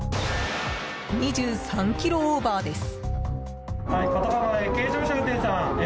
２３キロオーバーです。